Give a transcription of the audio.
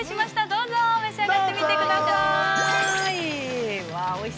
どうぞ召し上がってみてくださーい。